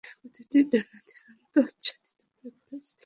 প্রতিটি ডানা দিগন্ত আচ্ছাদিত করে ফেলেছিল।